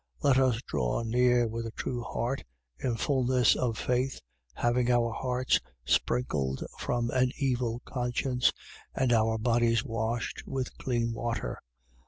Let us draw near with a true heart, in fulness of faith, having our hearts sprinkled from an evil conscience and our bodies washed with clean water.